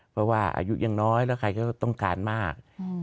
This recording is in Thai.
เพราะว่าอายุยังน้อยแล้วใครก็ต้องการมาก